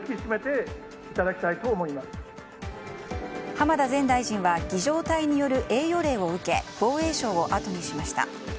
浜田前大臣は儀仗隊による栄誉礼を受け防衛省をあとにしました。